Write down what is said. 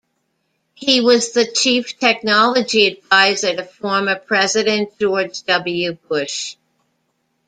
He was the chief technology advisor to former President George W. Bush.